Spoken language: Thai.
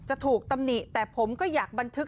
ถูกตำหนิแต่ผมก็อยากบันทึก